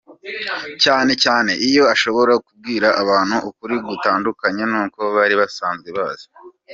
Cyane cyane iyo ashobora kubwira abantu ukuri gutandukanye n’uko bari basanzwe bazi.